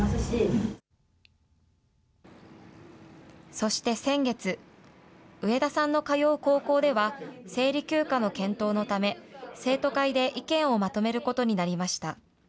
そして先月、上田さんの通う高校では、生理休暇の検討のため、生徒会で意見をまとめることになりました。